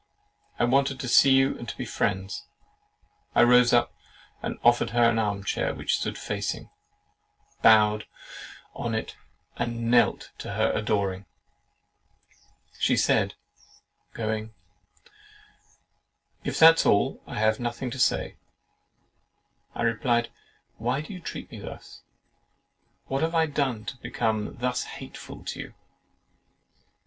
I wanted to see you and be friends." I rose up, offered her an arm chair which stood facing, bowed on it, and knelt to her adoring. She said (going) "If that's all, I have nothing to say." I replied, "Why do you treat me thus? What have I done to become thus hateful to you?"